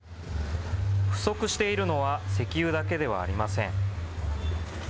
不足しているのは石油だけではありません。